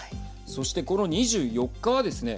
そして、この２４日はですね